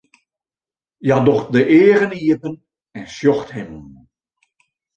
Hja docht de eagen iepen en sjocht him oan.